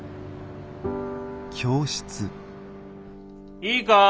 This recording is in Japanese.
いいか？